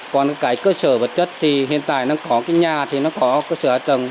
còn cái cơ sở vật chất thì hiện tại nó có cái nhà thì nó có cơ sở hạ tầng